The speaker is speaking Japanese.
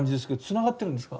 つながってます。